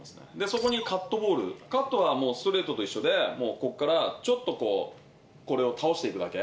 そこにカットボール、カットはストレートと一緒で、もうここから、ちょっとこう、これを倒していくだけ、